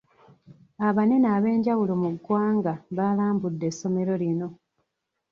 Abanene ab'enjawulo mu ggwanga baalambudde essomero lino.